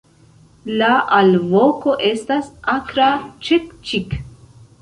La alvoko estas akra "ĉek-ĉik".